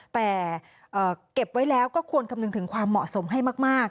แต่เก็บไว้แล้วก็ควรคำนึงถึงความเหมาะสมให้มาก